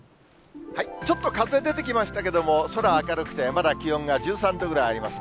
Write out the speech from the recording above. ちょっと風、出てきましたけども、空、明るくて、まだ気温が１３度ぐらいありますね。